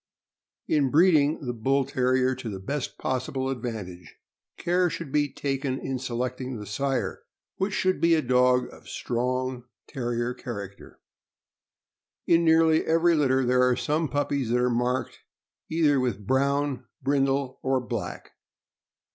In breeding the Bull Terrier to the best possible advan tage, care should be taken in selecting the sire, which should be a dog of strong Terrier character. In nearly every litter there are some puppies that are marked either with brown, brindle, or black.